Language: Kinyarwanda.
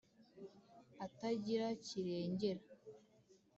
atagira kirengera.»